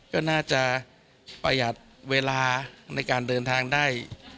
ก็น่าจะประหยัดเวลาในการเดินทางได้